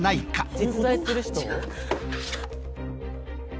実在する人？